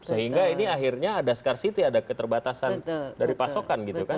sehingga ini akhirnya ada skarcity ada keterbatasan dari pasokan gitu kan